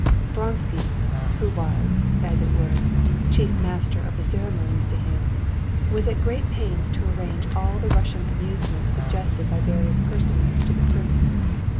Vronsky, who was, as it were, chief master of the ceremonies to him, was at great pains to arrange all the Russian amusements suggested by various persons to the prince.